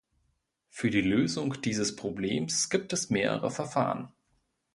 Für die Lösung dieses Problems gibt es mehrere Verfahren.